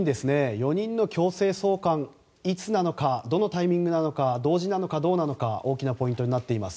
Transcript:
４人の強制送還、いつなのかどのタイミングなのか同時なのかどうなのか大きなポイントになっています。